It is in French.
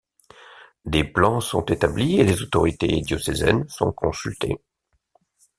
Des plans sont établis et les autorités diocésaines sont consultées.